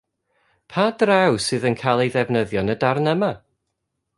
Pa draw sydd yn cael ei ddefnyddio yn y darn yma?